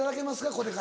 これから。